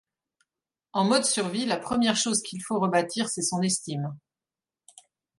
En mode de survie, la première chose qu'il faut rebâtir, c'est son estime.